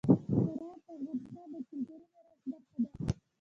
زراعت د افغانستان د کلتوري میراث برخه ده.